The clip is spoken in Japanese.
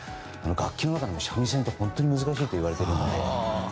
楽器の中でも三味線って本当に難しいといわれているので。